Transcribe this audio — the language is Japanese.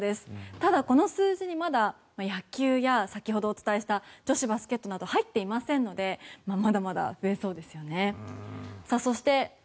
ただ、この数字にまだ野球や先ほどお伝えした女子バスケットなど入っていませんのでまだまだ増えそうですよね。